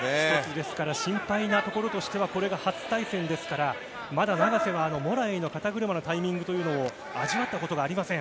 ですから、心配なところとしてはこれが初対戦ですから、まだ永瀬はモラエイの肩車のタイミングというのを味わったことがありません。